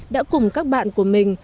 đã cùng các bạn của mình